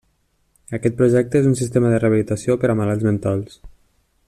Aquest projecte és un sistema de rehabilitació per a malalts mentals.